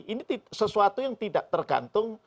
ini sesuatu yang tidak tergantung